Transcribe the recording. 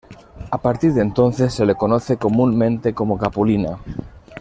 A partir de entonces se le conoce comúnmente como Capulina.